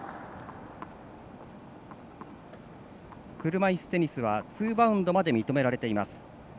車いすテニスはツーバウンドまで認められています。